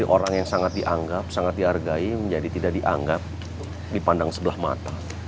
orang yang sangat dianggap sangat dihargai menjadi tidak dianggap dipandang sebelah mata